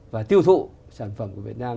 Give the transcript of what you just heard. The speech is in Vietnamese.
và tiêu thụ sản phẩm của việt nam